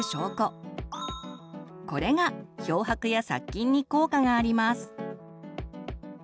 これが漂白や殺菌に効果があります。